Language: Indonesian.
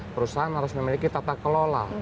perusahaan harus memiliki tata kelola